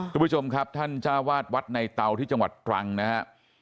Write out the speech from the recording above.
คุณผู้ชมครับท่านจ้าวาดวัดในเตาที่จังหวัดตรังนะครับ